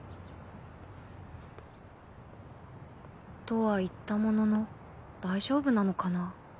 とはいったものの大丈夫なのかな